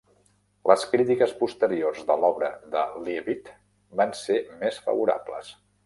Les crítiques posteriors de l'obra de Leavitt van ser més favorables.